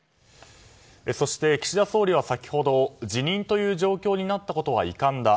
そして、岸田総理は先ほど辞任という状況になったことは遺憾だ。